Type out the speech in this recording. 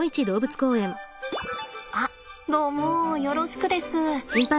あっどうもよろしくです。